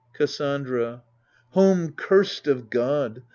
Cassandra Home cursed of God